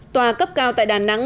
tòa cấp cao tại đà nẵng